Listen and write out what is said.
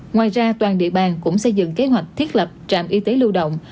ngoài ra toàn địa bàn cũng xây dựng kế hoạch thiết lập trạm y tế lưu động